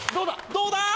どうだ？